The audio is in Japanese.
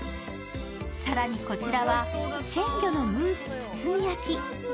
更にこちらは鮮魚のムース包み焼き。